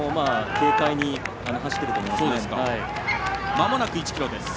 軽快に走っていると思いますね。